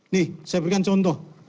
nih saya berikan contoh